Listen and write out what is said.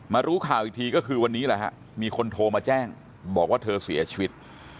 รู้ข่าวอีกทีก็คือวันนี้แหละฮะมีคนโทรมาแจ้งบอกว่าเธอเสียชีวิต